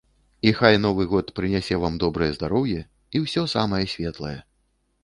І хай новы год прынясе вам добрае здароўе і ўсё самае светлае.